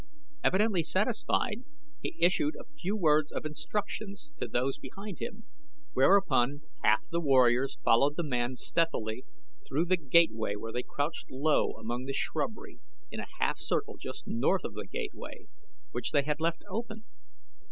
Evidently satisfied, he issued a few words of instruction to those behind him, whereupon half the warriors returned to the interior of the building, while the other half followed the man stealthily through the gateway where they crouched low among the shrubbery in a half circle just north of the gateway which they had left open.